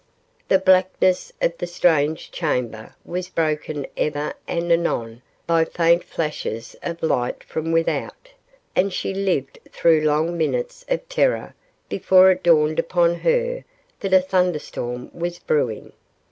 The blackness of the strange chamber was broken ever and anon by faint flashes of light from without, and she lived through long minutes of terror before it dawned upon her that a thunderstorm was brewing.